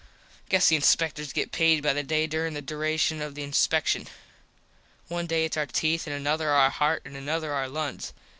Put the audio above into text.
I guess the inspecters get payed by the day durin the duration of the inspecshun. One day its our teeth an another our heart an another our lungs.